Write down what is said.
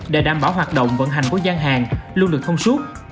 để đảm bảo hoạt động vận hành của gian hàng luôn được thông suốt